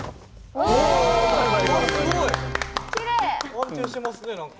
安定してますね何か。